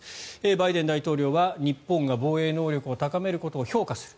バイデン大統領は日本が防衛能力を高めることを評価する。